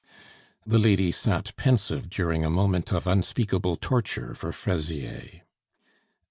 The lady sat pensive during a moment of unspeakable torture for Fraisier.